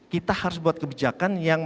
kita harus buat kebijakan yang